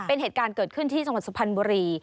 เป็นเหตุการณ์เกิดขึ้นที่สมรสภัณฑ์บรี